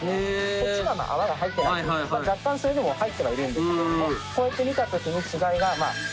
こっちは泡が入ってない若干それでも入ってはいるんですけれどもこうやって見た時に違いがおわかり頂けるかなと。